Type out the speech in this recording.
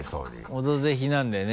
「オドぜひ」なんでね